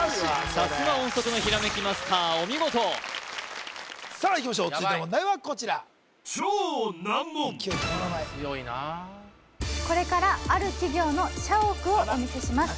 さすが音速のひらめきマスターお見事さあいきましょう続いての問題はこちら強いなこれからある企業の社屋をお見せします